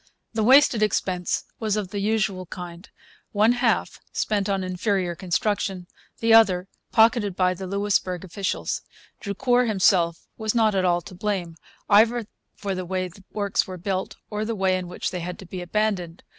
The wasted expense was of the usual kind one half spent on inferior construction, the other pocketed by the Louisbourg officials. Drucour himself was not at all to blame, either for the way the works were built or the way in which they had to be abandoned.